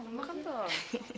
udah makan dulu ter